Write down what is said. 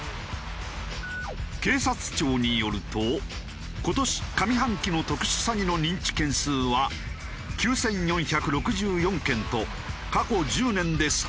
警察庁によると今年上半期の特殊詐欺の認知件数は９４６４件と過去１０年で最多に。